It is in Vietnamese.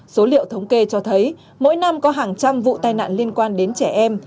số liệu thống kê cho thấy mỗi năm có hàng trăm vụ tai nạn liên quan đến trẻ em